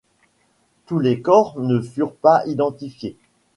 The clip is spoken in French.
Tous les corps ne furent pas identifiés.